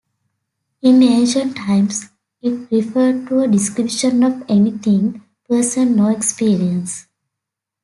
In ancient times, it referred to a description of any thing, person, or experience.